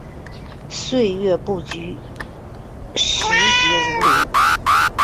岁月不居，时节如流。